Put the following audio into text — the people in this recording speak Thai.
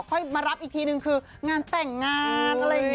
ค่อยมารับอีกทีนึงคืองานแต่งงานอะไรอย่างนี้